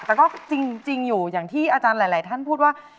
แต่ก็จริงอยู่อย่างที่อาจารย์หลายท่านพูดว่า